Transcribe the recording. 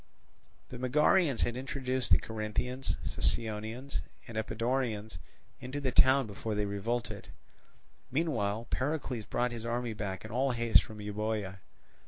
The Megarians had introduced the Corinthians, Sicyonians, and Epidaurians into the town before they revolted. Meanwhile Pericles brought his army back in all haste from Euboea.